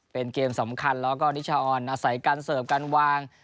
เป็นเกมสำคัญแล้วก็นิชาออนอาศัยการเสิร์ฟการวาง